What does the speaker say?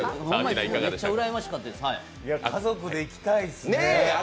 家族で行きたいっすね。